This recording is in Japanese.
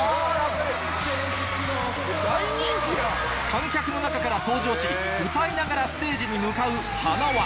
観客の中から登場し歌いながらステージに向かうはなわ